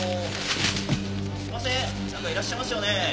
すみません誰かいらっしゃいますよね？